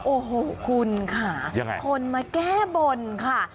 โอ้โหคุณค่ะยังไงคนมาแก้บนค่ะ